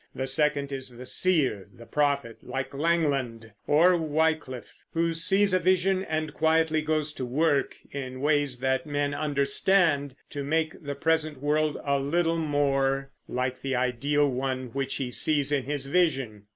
The second is the seer, the prophet, like Langland, or Wyclif, who sees a vision and quietly goes to work, in ways that men understand, to make the present world a little more like the ideal one which he sees in his vision.